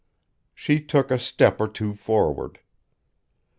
She took a step or two forward.